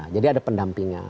jadi ada pendampingnya